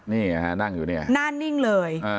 นี่ฮะนั่งอยู่เนี่ยหน้านิ่งเลย